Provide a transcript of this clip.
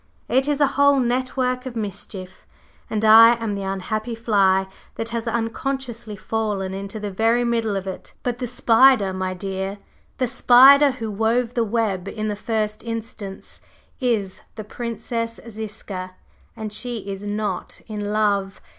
It is a whole network of mischief, and I am the unhappy fly that has unconsciously fallen into the very middle of it. But the spider, my dear, the spider who wove the web in the first instance, is the Princess Ziska, and she is not in love!